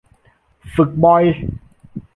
ฝึกบ่อย